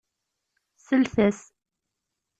Slet-as!